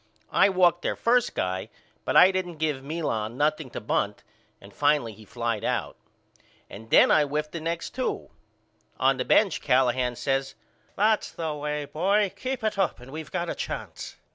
I walked their first guy but I didn't give Milan nothing to bunt and finally he flied out. And then I whiffed the next two. On th bench Callahan says That's the way, boy. Keep that up and we got a chance.